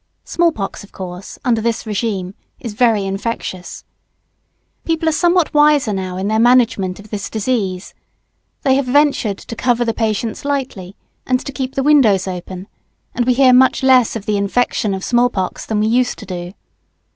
Small pox, of course, under this regime, is very "infectious." People are somewhat wiser now in their management of this disease. They have ventured to cover the patients lightly and to keep the windows open; and we hear much less of the "infection" of small pox than we used to do.